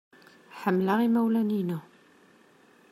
Ḥemmleɣ imawlen-innu.